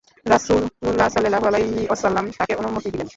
রাসূলুল্লাহ সাল্লাল্লাহু আলাইহি ওয়াসাল্লাম তাঁকে অনুমতি দিলেন।